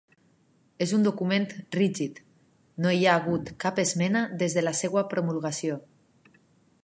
És un document rígid: no hi ha hagut cap esmena des de la seva promulgació.